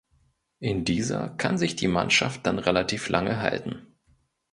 In dieser kann sich die Mannschaft dann relativ lange halten.